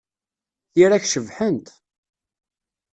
Tira-k cebḥent!